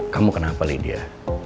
kamu kenapa lydia